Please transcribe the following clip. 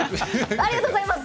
ありがとうございます。